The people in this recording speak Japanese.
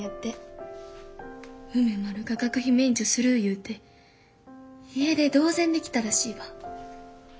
梅丸が学費免除する言うて家出同然で来たらしいわ。